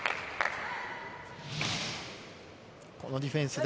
このディフェンスで。